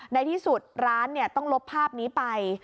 ในที่สุดร้านต้องลบภาพนี้ไป